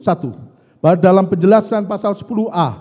s b bahwa dalam penjelasan pasal sepuluh a yudis mahindra